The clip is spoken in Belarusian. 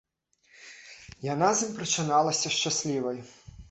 Яна з ім прачыналася шчаслівай.